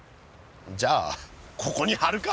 じゃあここに張るか？